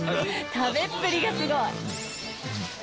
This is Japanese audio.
食べっぷりがすごい。